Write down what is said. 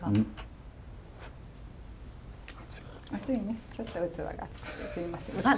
熱いねちょっと器がすいません。